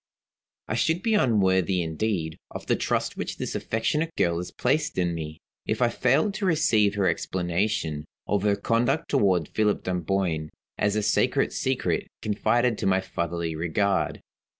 I should be unworthy indeed of the trust which this affectionate girl has placed in me, if I failed to receive her explanation of her conduct toward Philip Dunboyne, as a sacred secret confided to my fatherly regard.